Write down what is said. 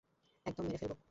একদম মেরে ফেলব।